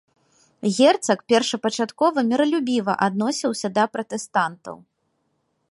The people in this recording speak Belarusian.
Герцаг першапачаткова міралюбіва адносіўся да пратэстантаў.